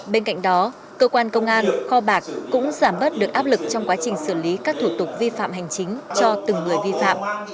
bên cạnh đó cơ quan công an kho bạc cũng giảm bớt được áp lực trong quá trình xử lý các thủ tục vi phạm hành chính cho từng người vi phạm